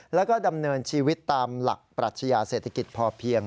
แล้วก็ดำเนินชีวิตตามหลักปรัชญาเศรษฐกิจพอเพียง